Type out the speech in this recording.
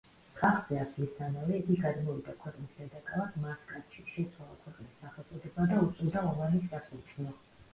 ტახტზე ასვლისთანავე, იგი გადმოვიდა ქვეყნის დედაქალაქ მასკატში, შეცვალა ქვეყნის სახელწოდება და უწოდა ომანის სასულთნო.